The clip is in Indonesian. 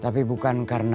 tapi bukan karena